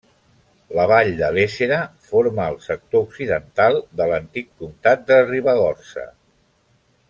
La vall de l'Éssera forma el sector occidental de l'antic comtat de Ribagorça.